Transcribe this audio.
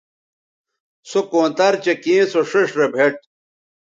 سو کونتر چہء کیں سو ݜئیݜ رے بھیٹ